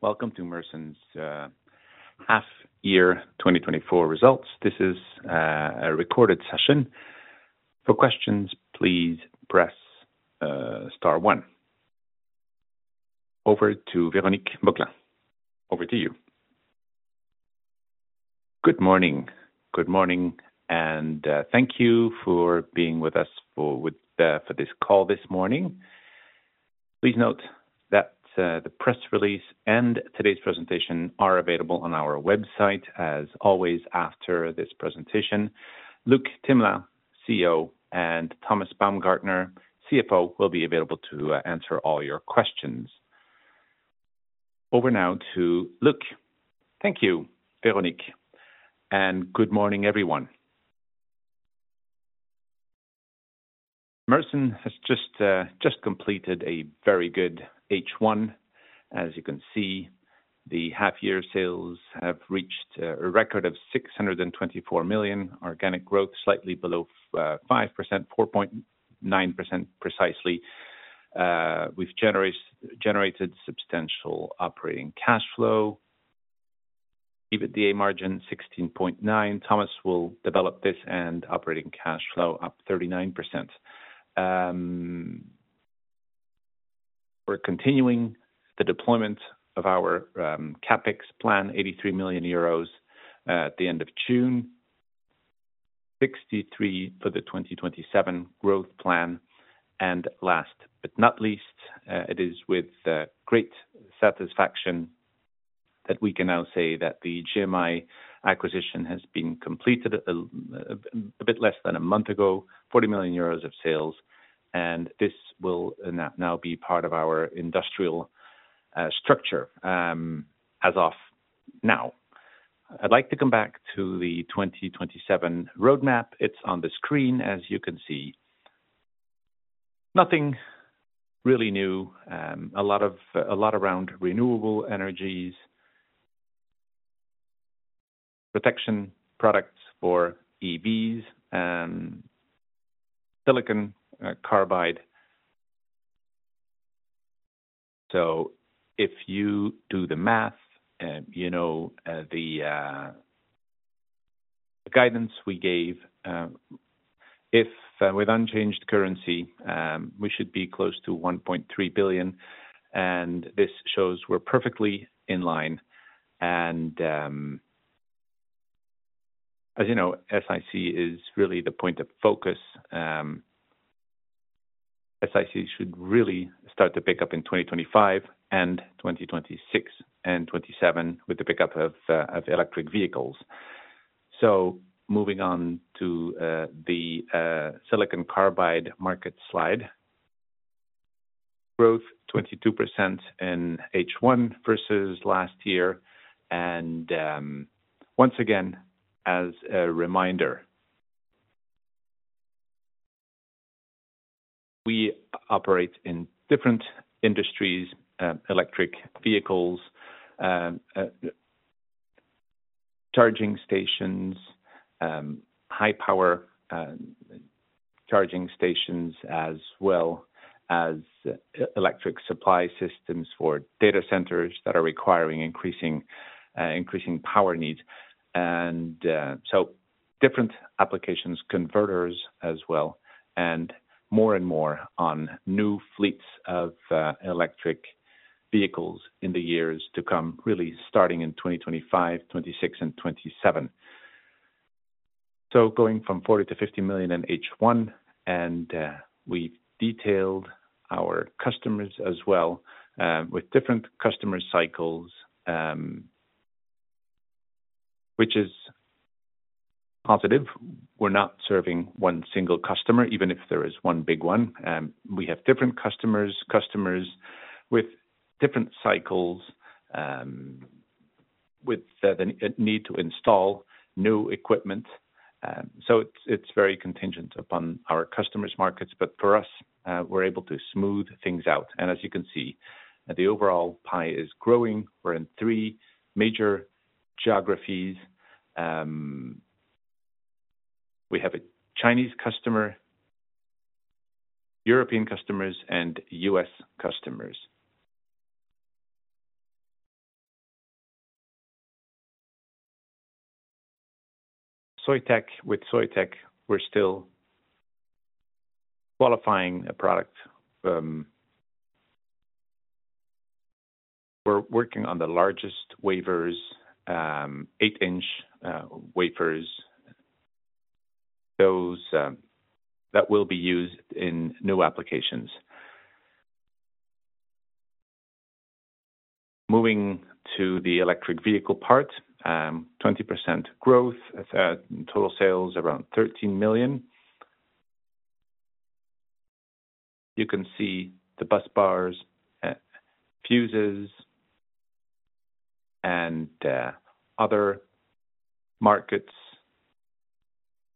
Welcome to Mersen's half year 2024 results. This is a recorded session. For questions, please press star one. Over to Véronique Boca. Over to you. Good morning. Good morning, and thank you for being with us for with for this call this morning. Please note that the press release and today's presentation are available on our website as always, after this presentation. Luc Themelin, CEO, and Thomas Baumgartner, CFO, will be available to answer all your questions. Over now to Luc. Thank you, Véronique, and good morning, everyone. Mersen has just completed a very good H1. As you can see, the half year sales have reached a record of 624 million. Organic growth, slightly below 5 percent, 4.9%, precisely. We've generated substantial operating cash flow. EBITDA margin 16.9%. Thomas will develop this and operating cash flow up 39%. We're continuing the deployment of our CapEx plan, 83 million euros, at the end of June. 63 million for the 2027 growth plan. Last but not least, it is with great satisfaction that we can now say that the GMI acquisition has been completed a bit less than a month ago, 40 million euros of sales, and this will now be part of our industrial structure as of now. I'd like to come back to the 2027 roadmap. It's on the screen, as you can see. Nothing really new, a lot around renewable energies, protection products for EVs and silicon carbide. So if you do the math, you know, the guidance we gave, if with unchanged currency, we should be close to 1.3 billion, and this shows we're perfectly in line. As you know, SiC is really the point of focus. SiC should really start to pick up in 2025 and 2026 and 2027 with the pickup of electric vehicles. So moving on to the silicon carbide market slide. Growth 22% in H1 versus last year. Once again, as a reminder, we operate in different industries, electric vehicles, charging stations, high power charging stations, as well as electric supply systems for data centers that are requiring increasing power needs. Different applications, converters as well, and more and more on new fleets of electric vehicles in the years to come, really starting in 2025, 2026 and 2027. So going from 40 million-50 million in H1, and we've detailed our customers as well, with different customer cycles, which is positive. We're not serving one single customer, even if there is one big one. We have different customers, customers with different cycles, with the need to install new equipment. So it's, it's very contingent upon our customers' markets, but for us, we're able to smooth things out. As you can see, the overall pie is growing. We're in three major geographies. We have a Chinese customer, European customers, and U.S. customers. Soitec. With Soitec, we're still qualifying a product. We're working on the largest wafers, eight-inch wafers, those that will be used in new applications. Moving to the electric vehicle part, 20% growth, total sales around EUR 13 million. You can see the busbars, fuses, and other markets,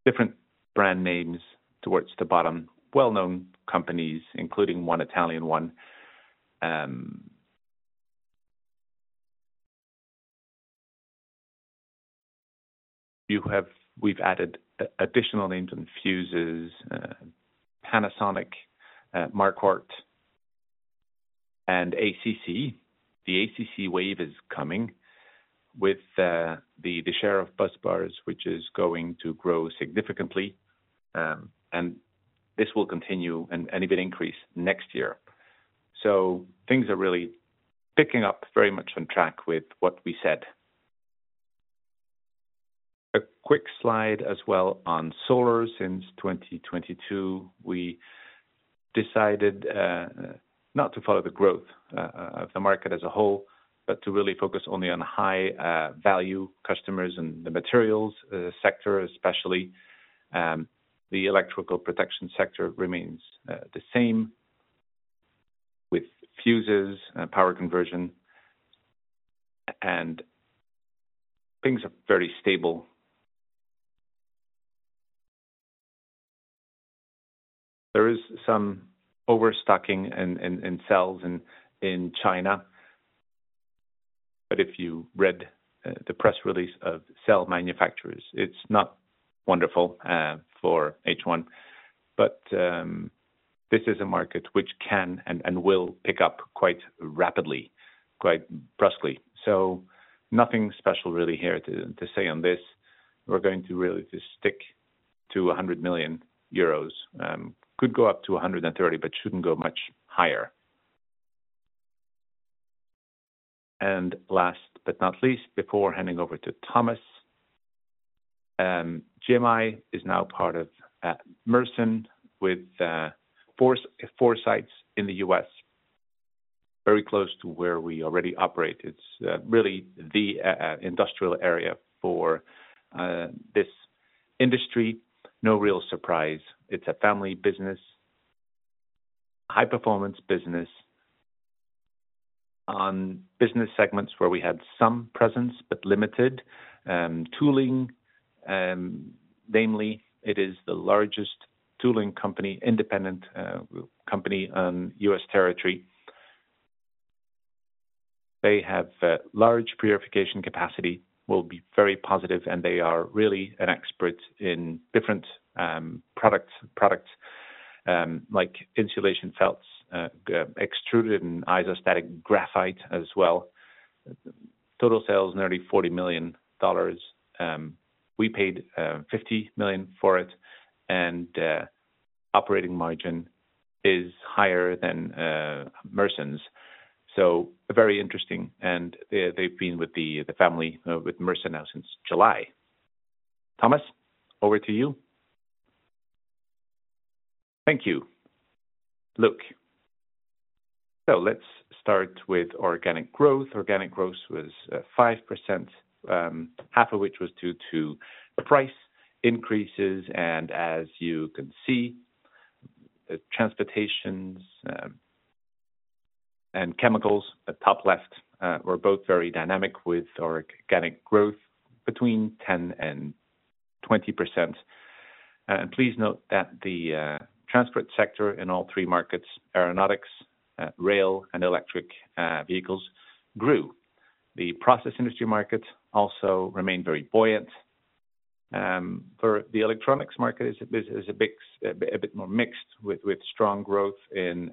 different brand names towards the bottom, well-known companies, including one Italian one. We've added additional names and fuses, Panasonic, Marquardt, and ACC. The ACC wave is coming with the share of busbars, which is going to grow significantly. And this will continue and even increase next year. So things are really picking up very much on track with what we said. A quick slide as well on solar. Since 2022, we decided not to follow the growth of the market as a whole, but to really focus only on high value customers and the materials sector, especially the electrical protection sector remains the same with fuses and power conversion, and things are very stable. There is some overstocking in cells in China, but if you read the press release of cell manufacturers, it's not wonderful for H1. But this is a market which can and will pick up quite rapidly, quite brusquely. So nothing special really here to say on this. We're going to really just stick to 100 million euros, could go up to 130 million, but shouldn't go much higher. Last but not least, before handing over to Thomas, GMI is now part of Mersen, with four sites in the U.S., very close to where we already operate. It's really the industrial area for this industry. No real surprise. It's a family business, high-performance business on business segments where we had some presence, but limited tooling. Namely, it is the largest tooling company, independent company on U.S. territory. They have a large purification capacity, will be very positive, and they are really an expert in different products like insulation felts, extruded and isostatic graphite as well. Total sales nearly $40 million. We paid $50 million for it, and operating margin is higher than Mersen's. So very interesting, and they've been with the family with Mersen now since July. Thomas, over to you. Thank you, Luc. Let's start with organic growth. Organic growth was 5%, half of which was due to price increases, and as you can see, transportation and chemicals at top left were both very dynamic with organic growth between 10% and 20%. And please note that the transport sector in all three markets, aeronautics, rail, and electric vehicles, grew. The process industry market also remained very buoyant. For the electronics market, this is a bit more mixed with strong growth in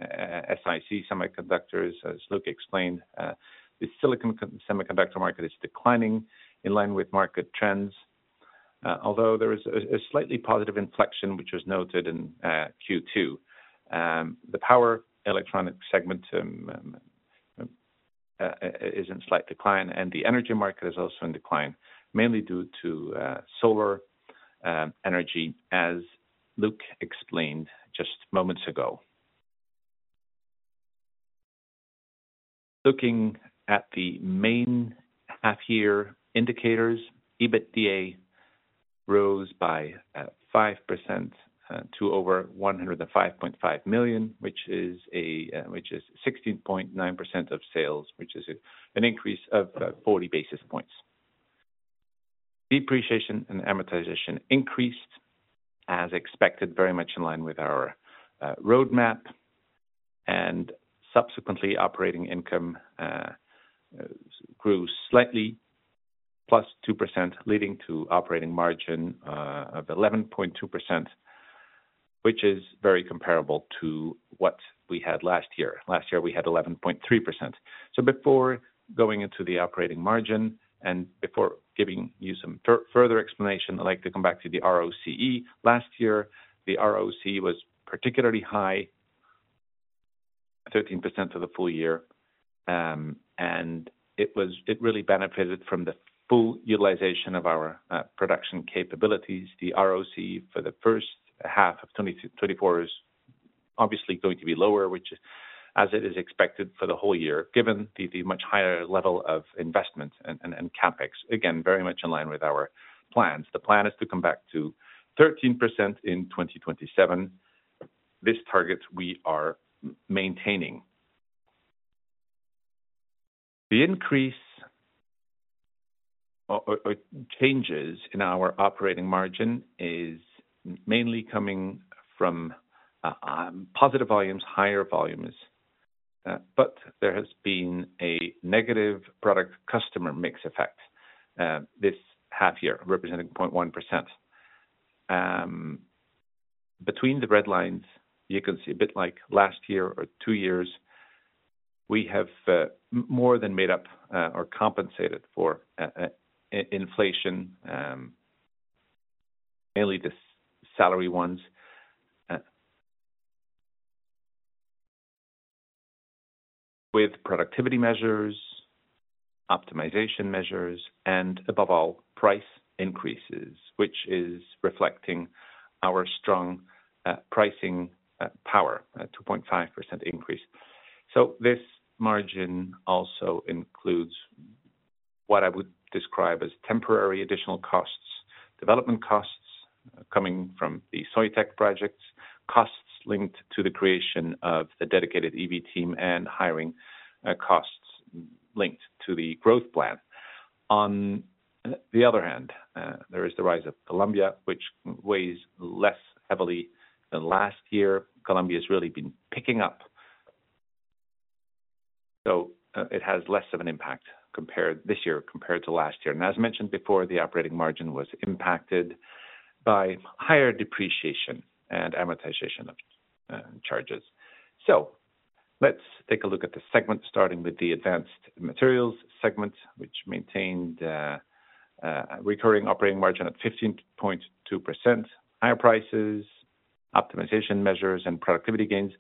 SiC semiconductors, as Luc explained. The silicon semiconductor market is declining in line with market trends, although there is a slightly positive inflection, which was noted in Q2. The power electronic segment is in slight decline, and the energy market is also in decline, mainly due to solar energy, as Luc explained just moments ago. Looking at the main half-year indicators, EBITDA rose by 5% to over 105.5 million, which is 16.9% of sales, which is an increase of 40 basis points. Depreciation and amortization increased as expected, very much in line with our roadmap, and subsequently, operating income grew slightly, +2%, leading to operating margin of 11.2%, which is very comparable to what we had last year. Last year, we had 11.3%. So before going into the operating margin and before giving you some further explanation, I'd like to come back to the ROCE. Last year, the ROCE was particularly high, 13% for the full year, and it really benefited from the full utilization of our production capabilities. The ROCE for the first half of 2024 is obviously going to be lower, which as it is expected for the whole year, given the much higher level of investment and CapEx, again, very much in line with our plans. The plan is to come back to 13% in 2027. This target we are maintaining. The increase or changes in our operating margin is mainly coming from positive volumes, higher volumes. But there has been a negative product customer mix effect, this half year, representing 0.1%. Between the red lines, you can see a bit like last year or two years, we have more than made up or compensated for inflation, mainly the salary ones, with productivity measures, optimization measures, and above all, price increases, which is reflecting our strong pricing power, at 2.5% increase. So this margin also includes what I would describe as temporary additional costs, development costs coming from the Soitec projects, costs linked to the creation of a dedicated EV team, and hiring costs linked to the growth plan. On the other hand, there is the rise of Columbia, which weighs less heavily than last year. Columbia has really been picking up, so it has less of an impact compared to this year compared to last year. And as mentioned before, the operating margin was impacted by higher depreciation and amortization of charges. So let's take a look at the segment, starting with the advanced materials segment, which maintained recurring operating margin at 15.2%. Higher prices, optimization measures, and productivity gains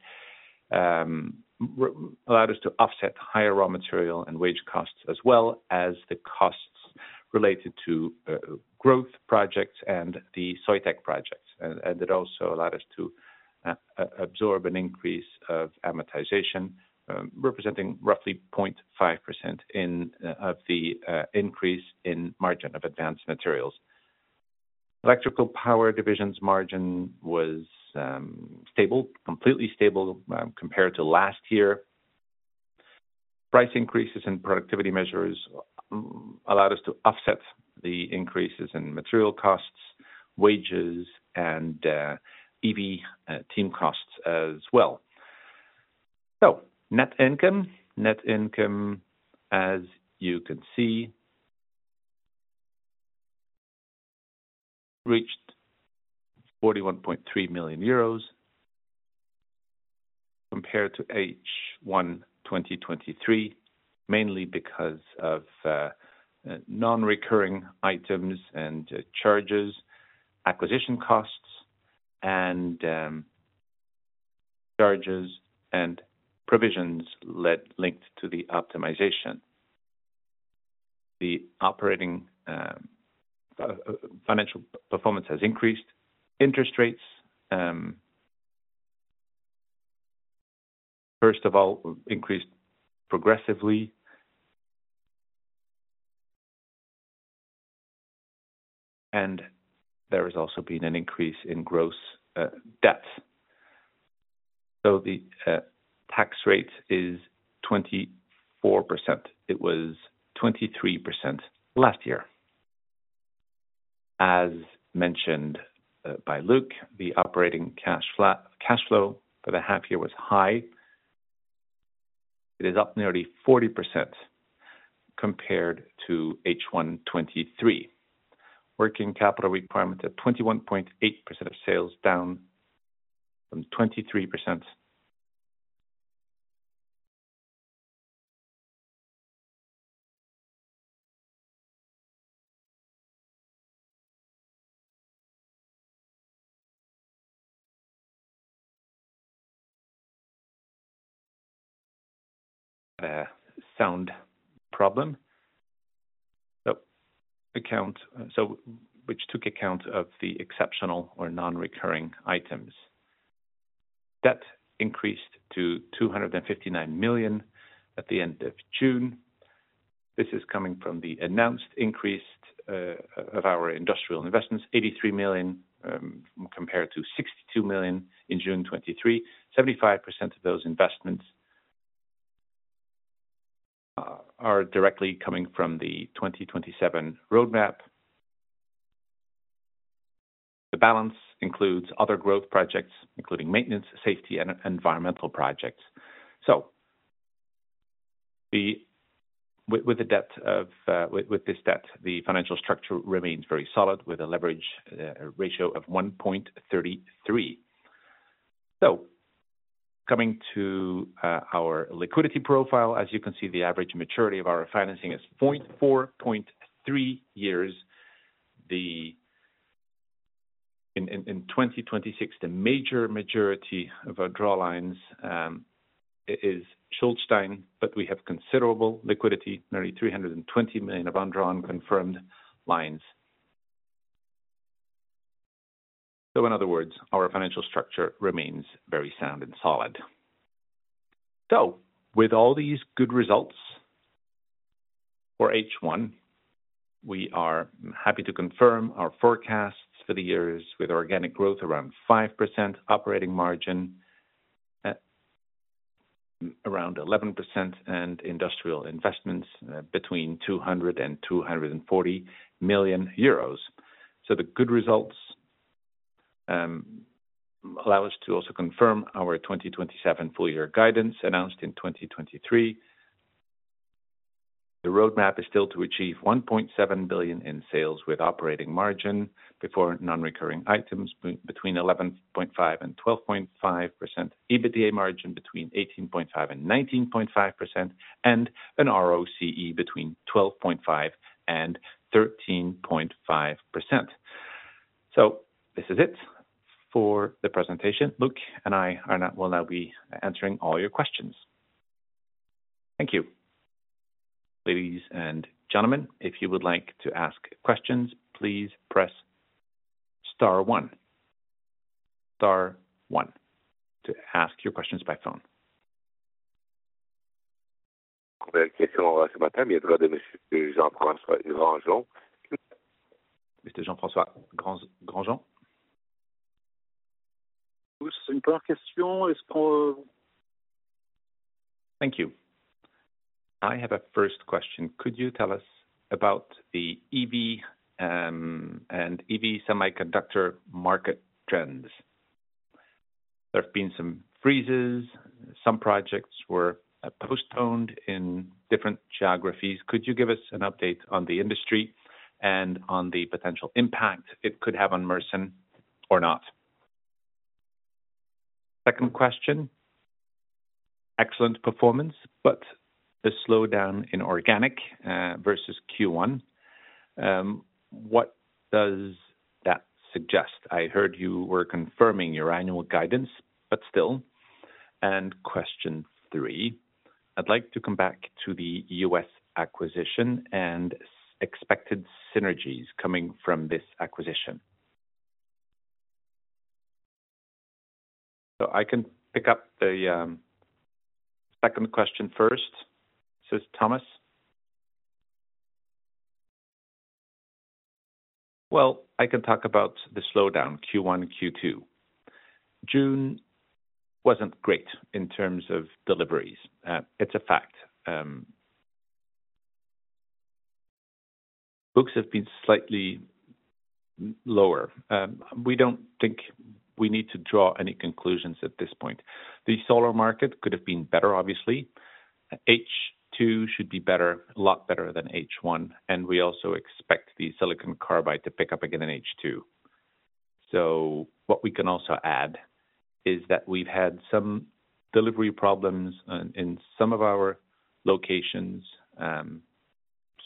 allowed us to offset higher raw material and wage costs, as well as the costs related to growth projects and the Soitec projects. And it also allowed us to absorb an increase of amortization representing roughly 0.5% in of the increase in margin of advanced materials. Electrical power division's margin was stable, completely stable, compared to last year. Price increases and productivity measures allowed us to offset the increases in material costs, wages, and EV team costs as well. So net income. Net income, as you can see, reached EUR 41.3 million compared to H1 2023, mainly because of non-recurring items and charges, acquisition costs, and charges and provisions linked to the optimization. The operating financial performance has increased. Interest rates, first of all, increased progressively, and there has also been an increase in gross debt. So the tax rate is 24%. It was 23% last year. As mentioned by Luc, the operating cash flow for the half year was high. It is up nearly 40% compared to H1 2023. Working capital requirement at 21.8% of sales, down from 23%. Sound problems. Accounting, which took account of the exceptional or non-recurring items. Debt increased to 259 million at the end of June. This is coming from the announced increase of our industrial investments, 83 million, compared to 62 million in June 2023. 75% of those investments are directly coming from the 2027 roadmap. The balance includes other growth projects, including maintenance, safety, and environmental projects. With this debt, the financial structure remains very solid, with a leverage ratio of 1.33. Coming to our liquidity profile, as you can see, the average maturity of our financing is 4.3 years. In 2026, the majority of our drawn lines is Schuldschein, but we have considerable liquidity, nearly 320 million of undrawn confirmed lines. So in other words, our financial structure remains very sound and solid. So with all these good results for H1, we are happy to confirm our forecasts for the years with organic growth around 5%, operating margin around 11%, and industrial investments between 200 million euros and 240 million euros. So the good results allow us to also confirm our 2027 full year guidance announced in 2023. The roadmap is still to achieve 1.7 billion in sales with operating margin before non-recurring items between 11.5% and 12.5%, EBITDA margin between 18.5% and 19.5%, and an ROCE between 12.5% and 13.5%. So this is it for the presentation. Luc and I will now be answering all your questions. Thank you. Ladies and gentlemen, if you would like to ask questions, please press star one. Star one to ask your questions by phone. Thank you. I have a first question: Could you tell us about the EV and EV semiconductor market trends? There have been some freezes, some projects were postponed in different geographies. Could you give us an update on the industry and on the potential impact it could have on Mersen or not? Second question: Excellent performance, but the slowdown in organic versus Q1, what does that suggest? I heard you were confirming your annual guidance, but still. And question three: I'd like to come back to the U.S. acquisition and expected synergies coming from this acquisition. So I can pick up the second question first. This is Thomas. Well, I can talk about the slowdown, Q1 and Q2. June wasn't great in terms of deliveries. It's a fact. Books have been slightly lower. We don't think we need to draw any conclusions at this point. The solar market could have been better obviously. H2 should be better, a lot better than H1, and we also expect the silicon carbide to pick up again in H2. So what we can also add is that we've had some delivery problems in some of our locations,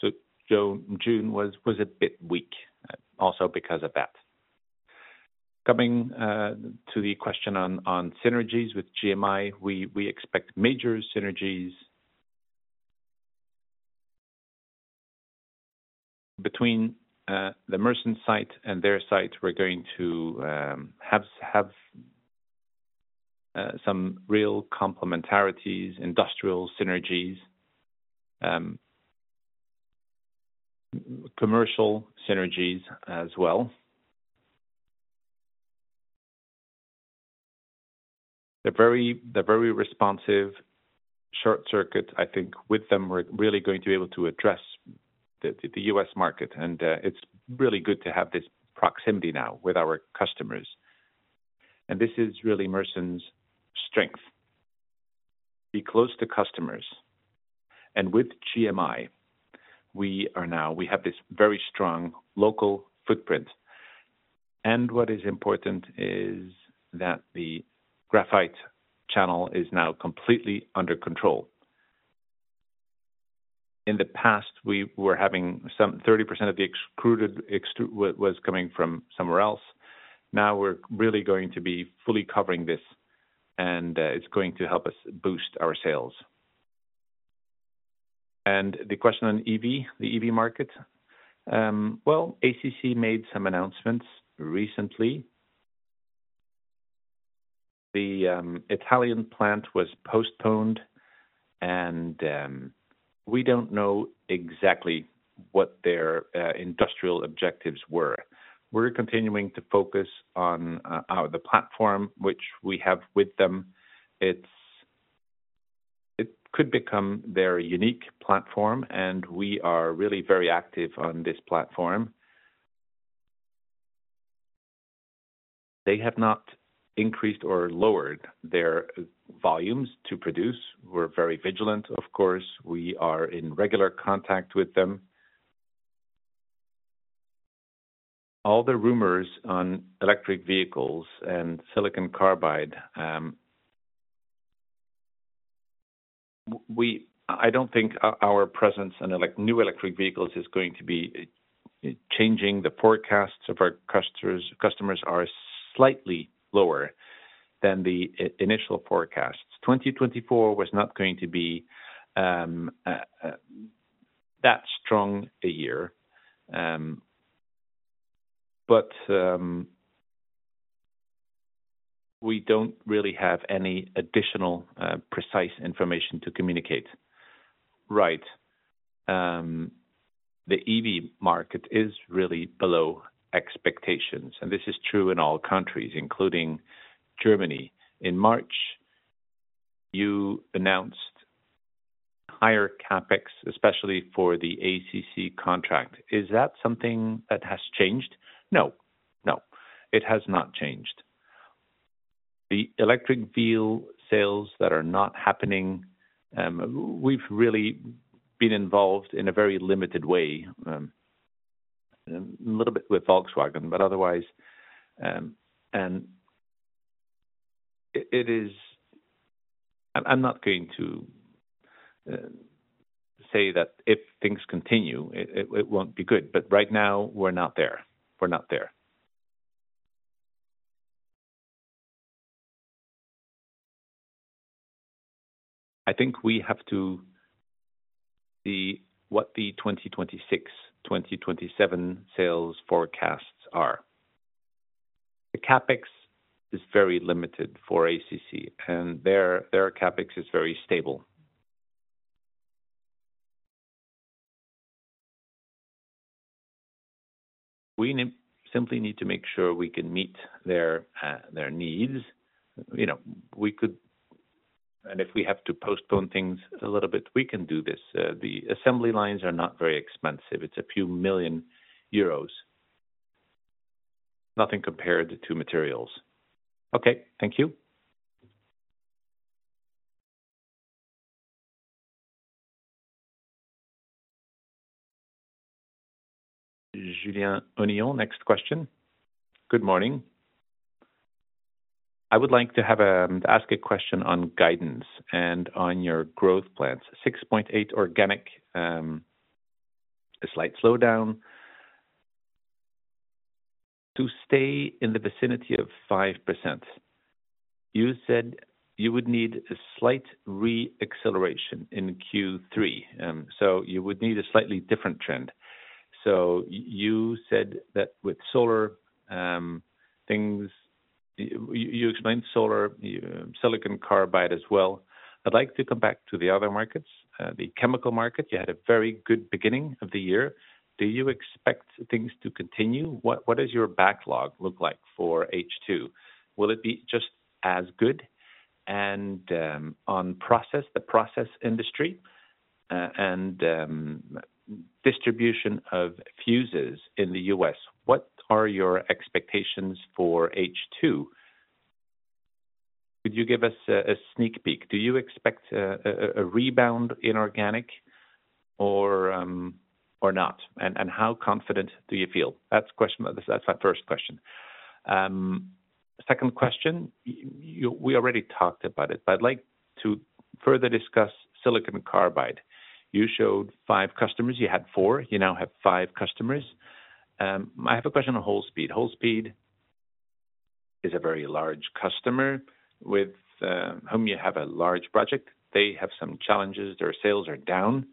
so June was a bit weak, also because of that. Coming to the question on synergies with GMI, we expect major synergies. Between the Mersen site and their site, we're going to have some real complementarities, industrial synergies, commercial synergies as well. They're very responsive. Short circuit, I think with them, we're really going to be able to address the U.S. market, and it's really good to have this proximity now with our customers. And this is really Mersen's strength: be close to customers. And with GMI, we are now—we have this very strong local footprint, and what is important is that the graphite channel is now completely under control. In the past, we were having some 30% of the extruded was coming from somewhere else. Now, we're really going to be fully covering this, and it's going to help us boost our sales. The question on EV, the EV market, well, ACC made some announcements recently. The Italian plant was postponed, and we don't know exactly what their industrial objectives were. We're continuing to focus on the platform which we have with them. It could become their unique platform, and we are really very active on this platform. They have not increased or lowered their volumes to produce. We're very vigilant, of course. We are in regular contact with them. All the rumors on electric vehicles and silicon carbide. We don't think our presence in electric vehicles is going to be changing. The forecasts of our customers are slightly lower than the initial forecasts. 2024 was not going to be that strong a year. But we don't really have any additional precise information to communicate, right? The EV market is really below expectations, and this is true in all countries, including Germany. In March, you announced higher CapEx, especially for the ACC contract. Is that something that has changed? No, no, it has not changed. The electric vehicle sales that are not happening, we've really been involved in a very limited way, a little bit with Volkswagen, but otherwise, and it is. I'm not going to say that if things continue, it won't be good. But right now, we're not there. We're not there. I think we have to see what the 2026, 2027 sales forecasts are. The CapEx is very limited for ACC, and their CapEx is very stable. We simply need to make sure we can meet their needs. You know, we could, and if we have to postpone things a little bit, we can do this. The assembly lines are not very expensive. It's a few million euros. Nothing compared to materials. Okay, thank you. Julien Onillon, next question. Good morning. I would like to have to ask a question on guidance and on your growth plans, 6.8 organic, a slight slowdown. To stay in the vicinity of 5%, you said you would need a slight re-acceleration in Q3, so you would need a slightly different trend. So you said that with solar, things. You explained solar, silicon carbide as well. I'd like to come back to the other markets, the chemical market. You had a very good beginning of the year. Do you expect things to continue? What does your backlog look like for H2? Will it be just as good? And, on process, the process industry, and, distribution of fuses in the U.S., what are your expectations for H2? Could you give us a sneak peek? Do you expect a rebound in organic or not? And how confident do you feel? That's the question, that's my first question. Second question, you we already talked about it, but I'd like to further discuss silicon carbide. You showed five customers. You had four, you now have five customers. I have a question on Wolfspeed. Wolfspeed is a very large customer with whom you have a large project. They have some challenges. Their sales are down.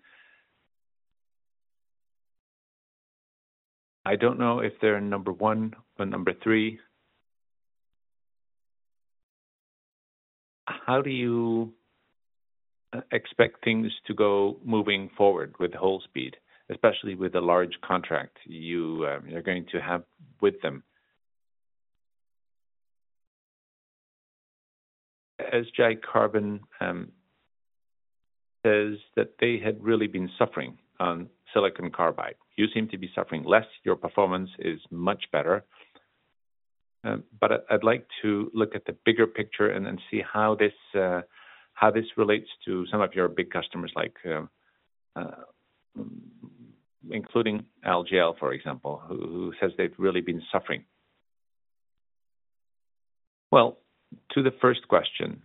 I don't know if they're number one or number three. How do you expect things to go moving forward with Wolfspeed, especially with the large contract you are going to have with them? SGL Carbon says that they had really been suffering on silicon carbide. You seem to be suffering less. Your performance is much better. But I'd like to look at the bigger picture and see how this relates to some of your big customers, like including LGL, for example, who says they've really been suffering. Well, to the first question,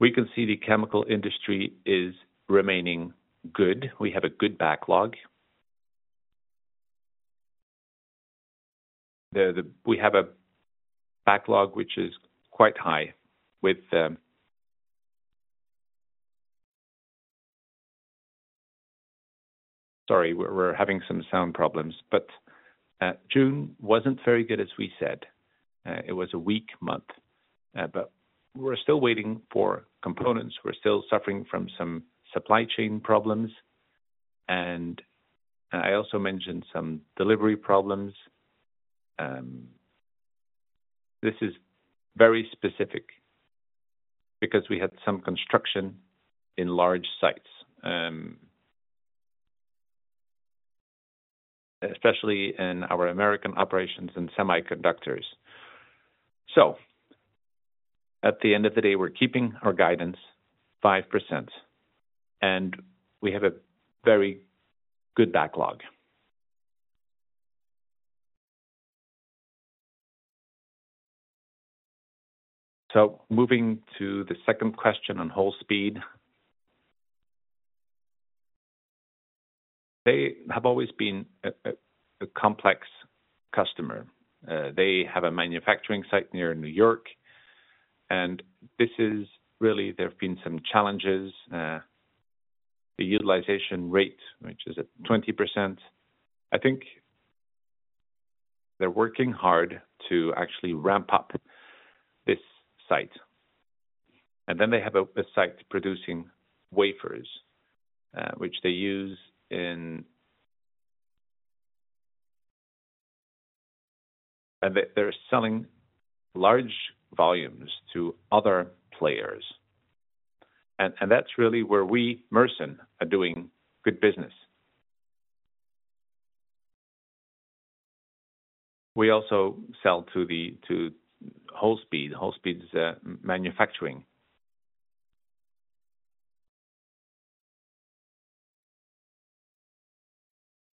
we can see the chemical industry is remaining good. We have a good backlog. We have a backlog which is quite high with. Sorry, we're having some sound problems, but June wasn't very good, as we said. It was a weak month, but we're still waiting for components. We're still suffering from some supply chain problems, and I also mentioned some delivery problems. This is very specific because we had some construction in large sites, especially in our American operations and semiconductors. So at the end of the day, we're keeping our guidance 5%, and we have a very good backlog. So moving to the second question on Wolfspeed, they have always been a complex customer. They have a manufacturing site near New York, and this is really, there have been some challenges, the utilization rate, which is at 20%. I think they're working hard to actually ramp up this site. And then they have a site producing wafers, which they use in, and they're selling large volumes to other players. And that's really where we, Mersen, are doing good business. We also sell to the, to Wolfspeed. Wolfspeed's manufacturing.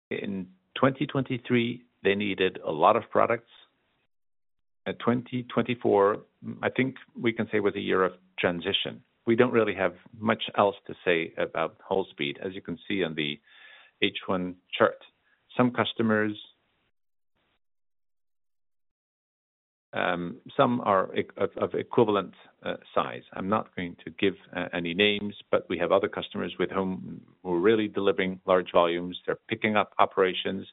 In 2023, they needed a lot of products. At 2024, I think we can say with a year of transition, we don't really have much else to say about Wolfspeed, as you can see on the H1 chart. Some customers, some are of equivalent size. I'm not going to give any names, but we have other customers with whom we're really delivering large volumes. They're picking up operations.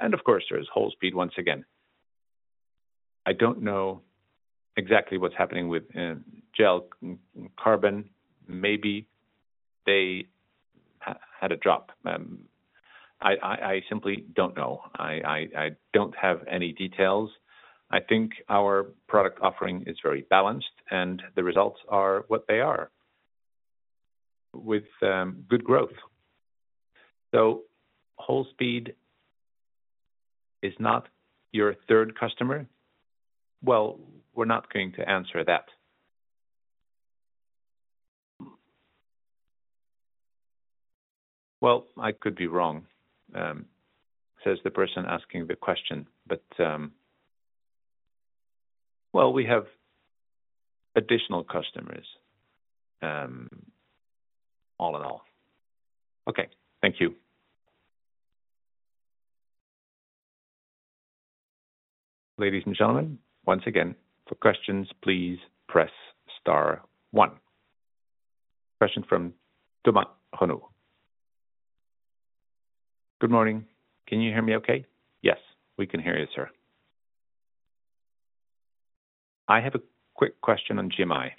And of course, there is Wolfspeed once again. I don't know exactly what's happening with SGL Carbon. Maybe they had a drop. I simply don't know. I don't have any details. I think our product offering is very balanced, and the results are what they are, with good growth. So Wolfspeed is not your third customer? Well, we're not going to answer that. Well, I could be wrong, says the person asking the question. But, well, we have additional customers, all in all. Okay. Thank you. Ladies and gentlemen, once again, for questions, please press star one. Question from Thomas Renaud. Good morning. Can you hear me okay? Yes, we can hear you, sir. I have a quick question on GMI.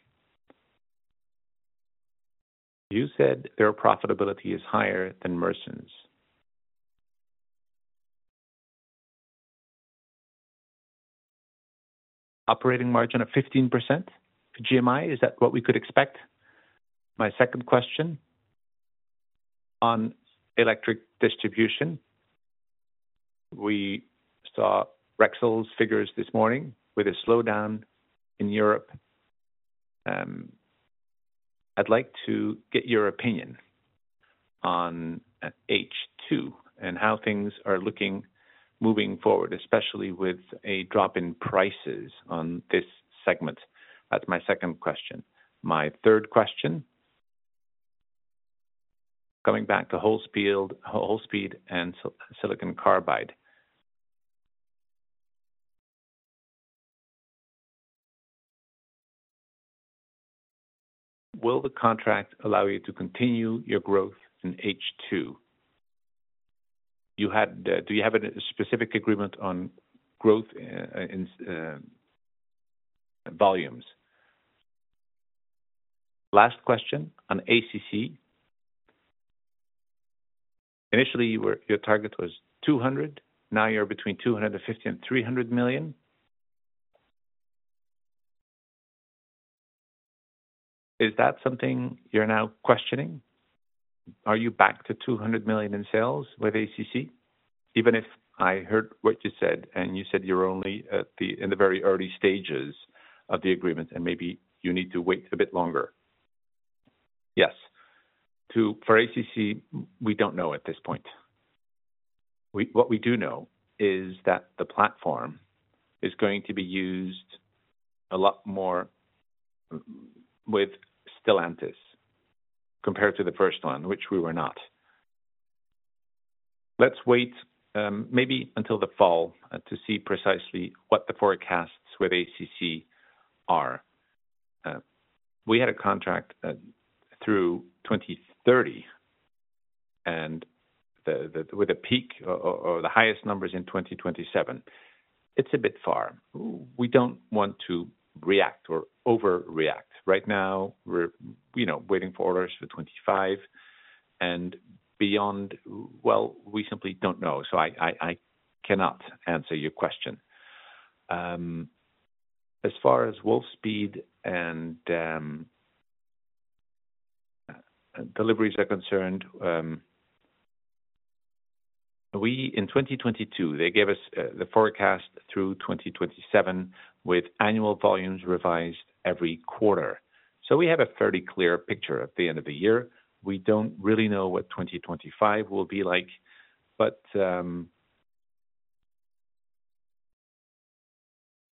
You said their profitability is higher than Mersen's. Operating margin of 15% for GMI, is that what we could expect? My second question on electric distribution. We saw Rexel's figures this morning with a slowdown in Europe. I'd like to get your opinion on H2 and how things are looking moving forward, especially with a drop in prices on this segment. That's my second question. My third question, coming back to Wolfspeed and silicon carbide. Will the contract allow you to continue your growth in H2? Do you have a specific agreement on growth in volumes? Last question on ACC. Initially, your target was 200 million, now you're between 250 million and 300 million. Is that something you're now questioning? Are you back to 200 million in sales with ACC? Even if I heard what you said, and you said you're only at the, in the very early stages of the agreement, and maybe you need to wait a bit longer. Yes. So, for ACC, we don't know at this point. What we do know is that the platform is going to be used a lot more with Stellantis compared to the first one, which we were not. Let's wait, maybe until the fall, to see precisely what the forecasts with ACC are. We had a contract through 2030, and with a peak the highest numbers in 2027, it's a bit far. We don't want to react or overreact. Right now, we're, you know, waiting for orders for 25 and beyond, well, we simply don't know. So I cannot answer your question. As far as Wolfspeed and deliveries are concerned, we in 2022, they gave us the forecast through 2027, with annual volumes revised every quarter. So we have a fairly clear picture at the end of the year. We don't really know what 2025 will be like, but,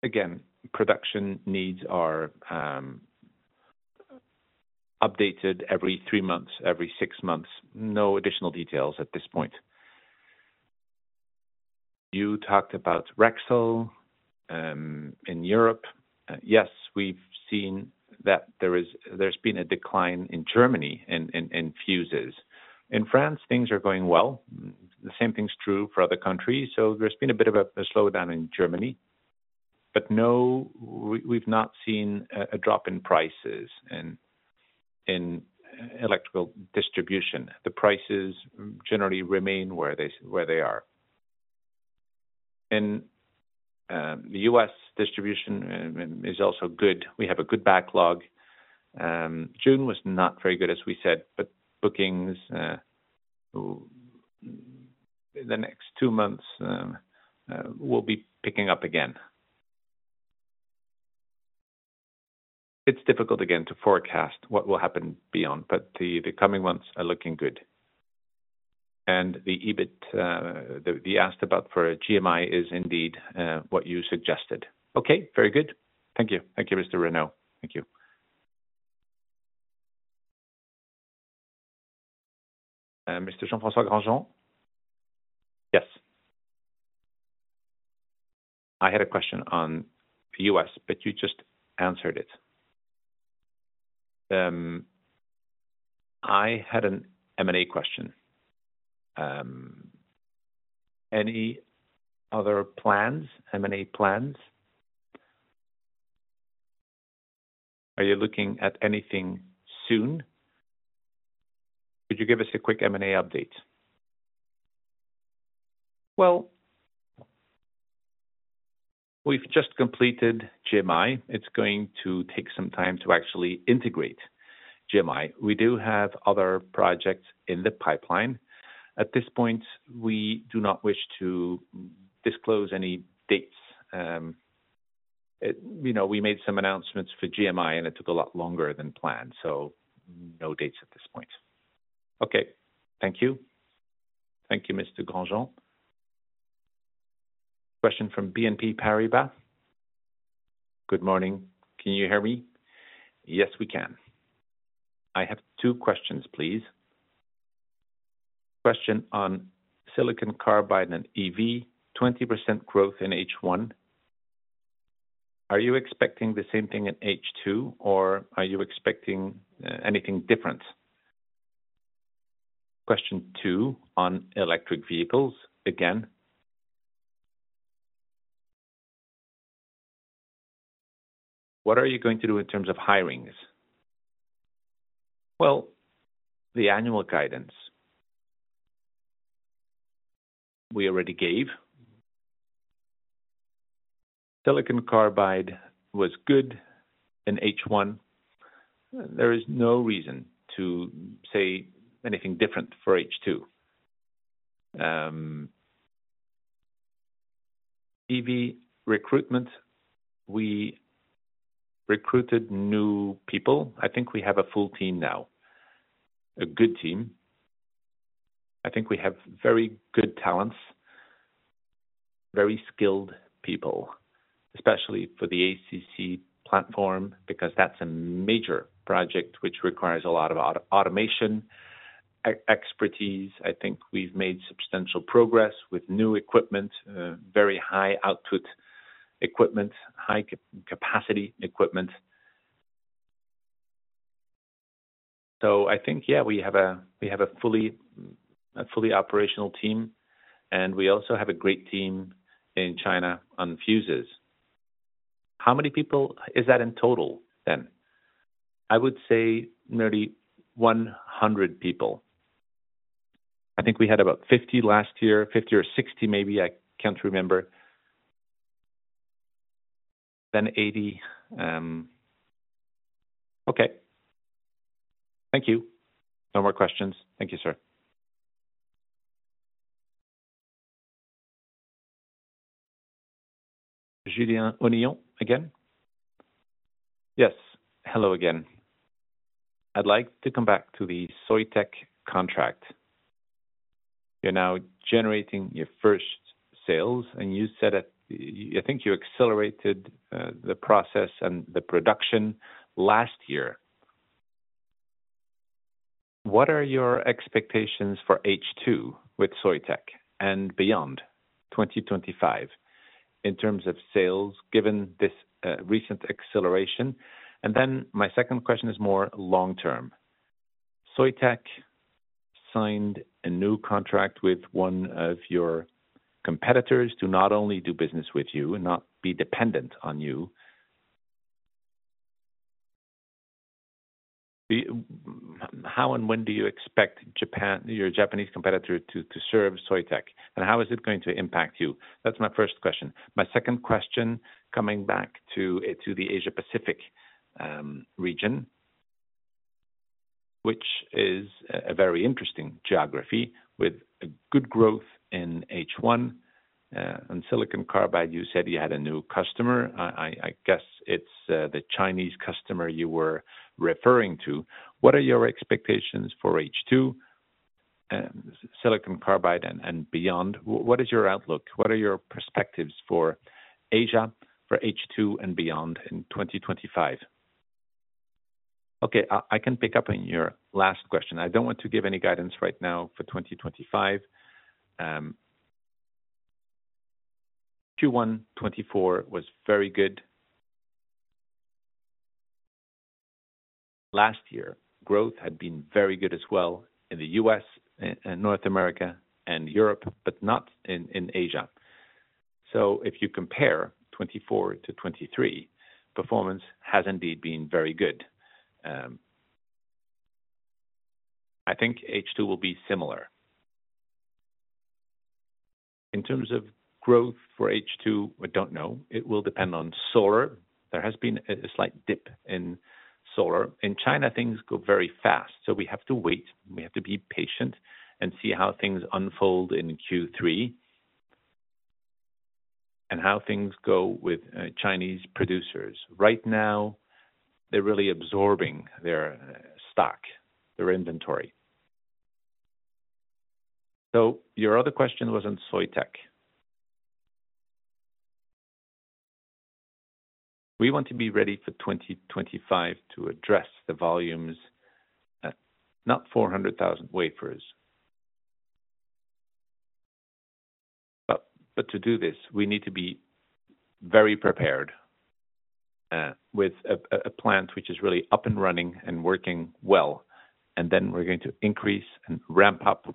again, production needs are updated every three months, every six months. No additional details at this point. You talked about Rexel in Europe. Yes, we've seen that there is, there's been a decline in Germany, in fuses. In France, things are going well. The same thing's true for other countries. So there's been a bit of a slowdown in Germany, but no, we've not seen a drop in prices in electrical distribution. The prices generally remain where they, where they are. And, the U.S. distribution is also good. We have a good backlog. June was not very good, as we said, but bookings in the next two months will be picking up again. It's difficult, again, to forecast what will happen beyond, but the coming months are looking good. And the EBIT asked about for GMI is indeed what you suggested. Okay, very good. Thank you. Thank you, Mr. Renaud. Thank you. Mr. Jean-François Granjon? Yes. I had a question on the U.S., but you just answered it. I had an M&A question. Any other plans, M&A plans? Are you looking at anything soon? Could you give us a quick M&A update? Well, we've just completed GMI. It's going to take some time to actually integrate GMI. We do have other projects in the pipeline. At this point, we do not wish to disclose any dates. You know, we made some announcements for GMI, and it took a lot longer than planned, so no dates at this point. Okay. Thank you. Thank you, Mr. Granjon. Question from BNP Paribas. Good morning. Can you hear me? Yes, we can. I have two questions, please. Question on silicon carbide and EV, 20% growth in H1. Are you expecting the same thing in H2, or are you expecting anything different? Question two on electric vehicles again. What are you going to do in terms of hirings? Well, the annual guidance we already gave. Silicon carbide was good in H1. There is no reason to say anything different for H2. EV recruitment, we recruited new people. I think we have a full team now, a good team. I think we have very good talents, very skilled people, especially for the ACC platform, because that's a major project which requires a lot of automation, expertise. I think we've made substantial progress with new equipment, very high output equipment, high capacity equipment. So I think, yeah, we have a, we have a fully, a fully operational team, and we also have a great team in China on fuses. How many people is that in total, then? I would say nearly 100 people. I think we had about 50 last year, 50 or 60, maybe. I can't remember. Then 80... Okay. Thank you. No more questions. Thank you, sir. Julien Onillon, again? Yes, hello again. I'd like to come back to the Soitec contract. You're now generating your first sales, and you said that—I think you accelerated the process and the production last year. What are your expectations for H2 with Soitec and beyond 2025, in terms of sales, given this recent acceleration? And then my second question is more long term. Soitec signed a new contract with one of your competitors to not only do business with you and not be dependent on you. How and when do you expect Japan, your Japanese competitor, to serve Soitec, and how is it going to impact you? That's my first question. My second question, coming back to the Asia Pacific region, which is a very interesting geography with a good growth in H1, and silicon carbide, you said you had a new customer. I guess it's the Chinese customer you were referring to. What are your expectations for H2, silicon carbide and beyond? What is your outlook? What are your perspectives for Asia, for H2, and beyond in 2025? Okay, I can pick up on your last question. I don't want to give any guidance right now for 2025. Q1 2024 was very good. Last year, growth had been very good as well in the U.S. and North America and Europe, but not in Asia. So if you compare 2024 to 2023, performance has indeed been very good. I think H2 will be similar. In terms of growth for H2, I don't know. It will depend on solar. There has been a slight dip in solar. In China, things go very fast, so we have to wait. We have to be patient and see how things unfold in Q3, and how things go with Chinese producers. Right now, they're really absorbing their stock, their inventory. So your other question was on Soitec. We want to be ready for 2025 to address the volumes at not 400,000 wafers. But to do this, we need to be very prepared with a plant which is really up and running and working well, and then we're going to increase and ramp up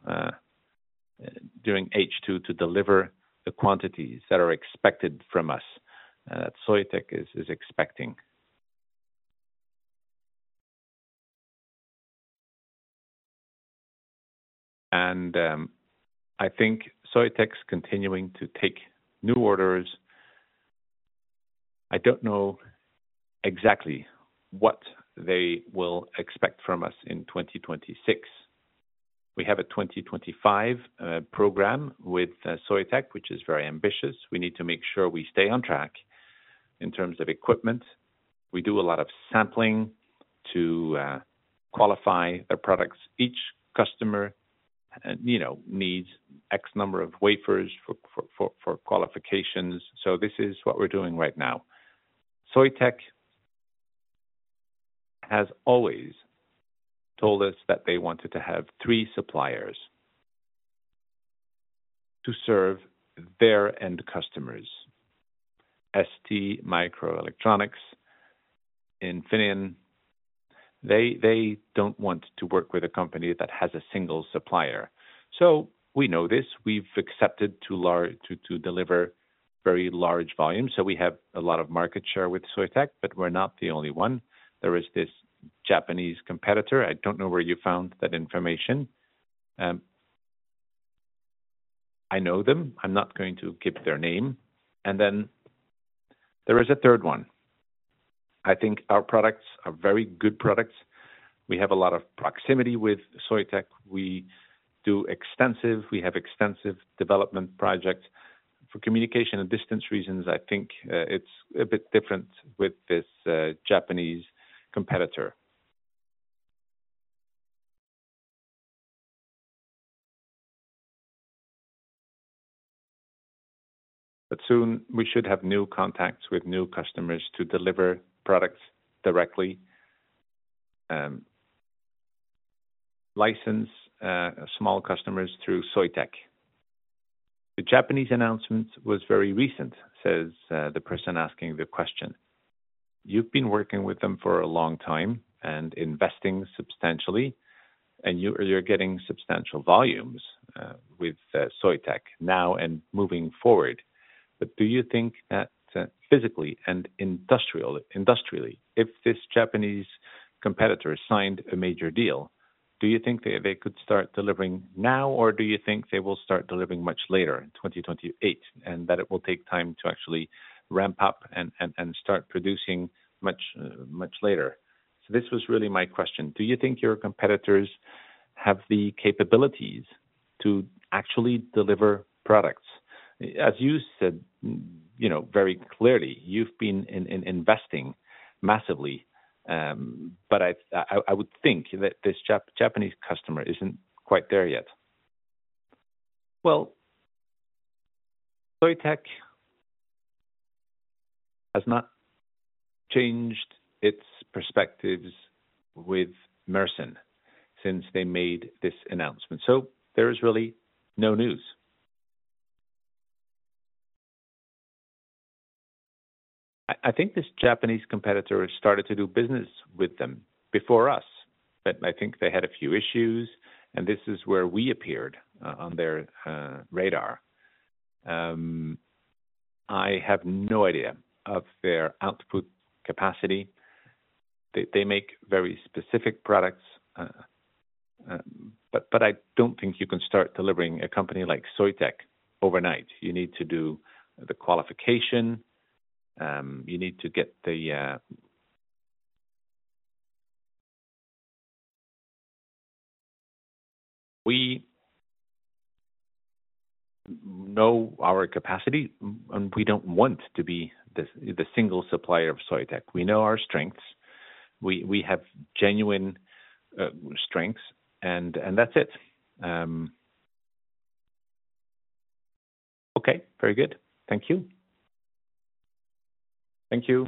during H2 to deliver the quantities that are expected from us that Soitec is expecting. And I think Soitec's continuing to take new orders. I don't know exactly what they will expect from us in 2026. We have a 2025 program with Soitec, which is very ambitious. We need to make sure we stay on track in terms of equipment. We do a lot of sampling to qualify their products. Each customer, you know, needs X number of wafers for qualifications. So this is what we're doing right now. Soitec has always told us that they wanted to have three suppliers to serve their end customers: STMicroelectronics, Infineon. They don't want to work with a company that has a single supplier. So we know this. We've accepted to deliver very large volumes, so we have a lot of market share with Soitec, but we're not the only one. There is this Japanese competitor. I don't know where you found that information. I know them. I'm not going to give their name, and then there is a third one. I think our products are very good products. We have a lot of proximity with Soitec. We have extensive development projects. For communication and distance reasons, I think, it's a bit different with this Japanese competitor. But soon we should have new contacts with new customers to deliver products directly, license small customers through Soitec. The Japanese announcement was very recent, says the person asking the question. You've been working with them for a long time and investing substantially, and you're getting substantial volumes with Soitec now and moving forward. But do you think that, physically and industrially, if this Japanese competitor signed a major deal, do you think they could start delivering now? Or do you think they will start delivering much later in 2028, and that it will take time to actually ramp up and start producing much later? So this was really my question: Do you think your competitors have the capabilities to actually deliver products? As you said, you know, very clearly, you've been investing massively, but I would think that this Japanese customer isn't quite there yet. Well, Soitec has not changed its perspectives with Mersen since they made this announcement, so there is really no news. I think this Japanese competitor started to do business with them before us, but I think they had a few issues, and this is where we appeared on their radar. I have no idea of their output capacity. They make very specific products, but I don't think you can start delivering a company like Soitec overnight. You need to do the qualification. You need to get the... We know our capacity, and we don't want to be the single supplier of Soitec. We know our strengths. We have genuine strengths, and that's it. Okay, very good. Thank you. Thank you.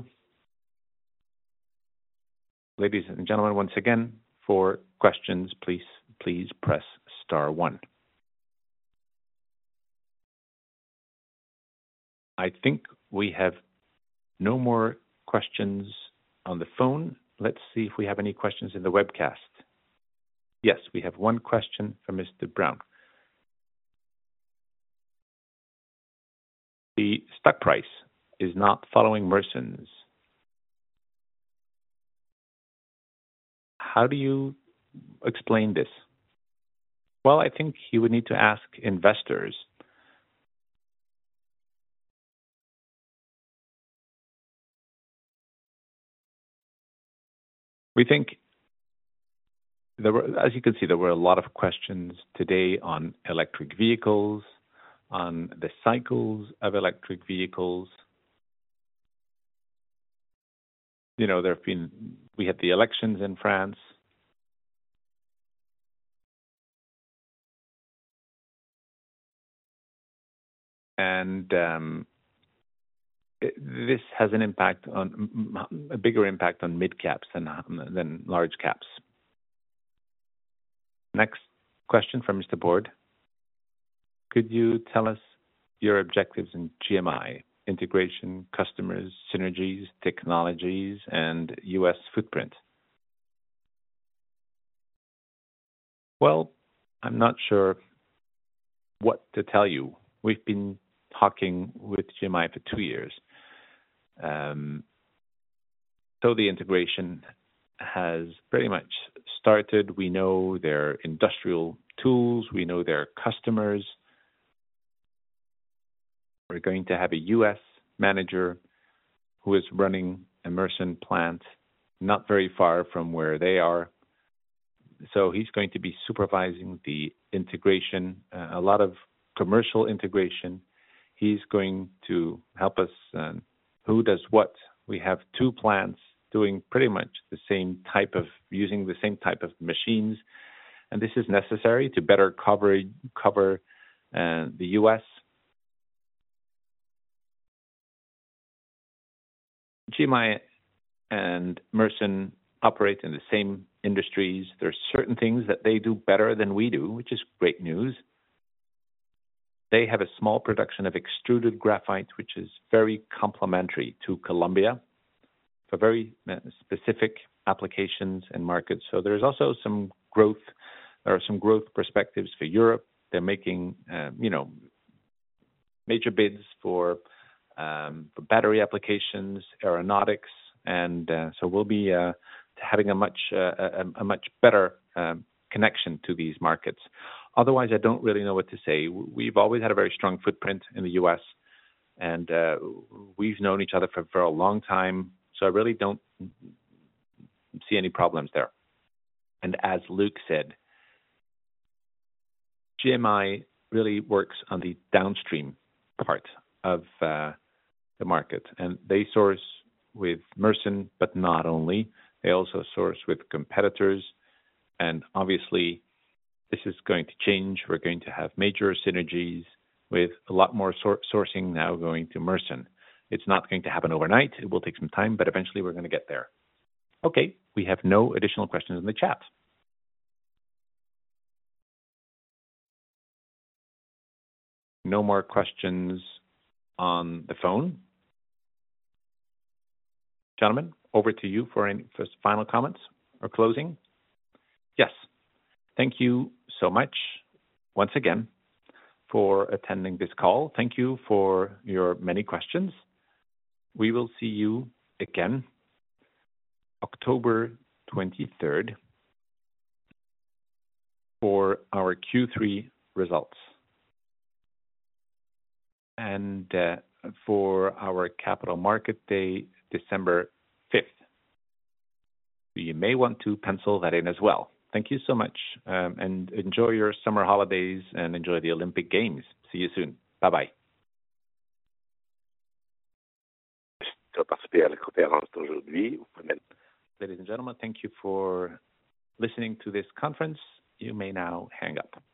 Ladies and gentlemen, once again, for questions, please, please press star one. I think we have no more questions on the phone. Let's see if we have any questions in the webcast. Yes, we have one question for Mr. Brown. The stock price is not following Mersen's. How do you explain this? Well, I think you would need to ask investors. We think there were... As you can see, there were a lot of questions today on electric vehicles, on the cycles of electric vehicles. You know, there have been. We had the elections in France. And this has an impact on a bigger impact on mid-caps than large caps. Next question from Mr. Baud: Could you tell us your objectives in GMI integration, customers, synergies, technologies, and U.S. footprint? Well, I'm not sure what to tell you. We've been talking with GMI for two years. So the integration has pretty much started. We know their industrial tools. We know their customers. We're going to have a U.S. manager who is running a Mersen plant not very far from where they are, so he's going to be supervising the integration, a lot of commercial integration. He's going to help us who does what. We have two plants doing pretty much the same type of... using the same type of machines, and this is necessary to better cover the U.S. GMI and Mersen operate in the same industries. There are certain things that they do better than we do, which is great news. They have a small production of extruded graphite, which is very complementary to Columbia for very specific applications and markets. So there's also some growth or some growth perspectives for Europe. They're making, you know, major bids for battery applications, aeronautics, and so we'll be having a much better connection to these markets. Otherwise, I don't really know what to say. We've always had a very strong footprint in the U.S., and we've known each other for a long time, so I really don't see any problems there. And as Luc said, GMI really works on the downstream part of the market, and they source with Mersen, but not only. They also source with competitors, and obviously, this is going to change. We're going to have major synergies with a lot more sourcing now going to Mersen. It's not going to happen overnight. It will take some time, but eventually we're going to get there. Okay, we have no additional questions in the chat. No more questions on the phone. Gentlemen, over to you for any final comments or closing. Yes. Thank you so much once again for attending this call. Thank you for your many questions. We will see you again October 23rd for our Q3 results and, for our Capital Market Day, December 5th. You may want to pencil that in as well. Thank you so much, and enjoy your summer holidays, and enjoy the Olympic Games. See you soon. Bye-bye. Ladies and gentlemen, thank you for listening to this conference. You may now hang up.